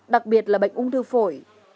đặc biệt là bệnh ung thư phổi